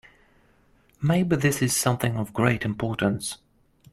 Maybe this is something of great importance.